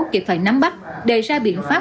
kịp phải nắm bắt đề ra biện pháp